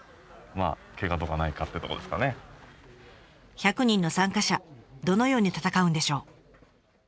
１００人の参加者どのように戦うんでしょう？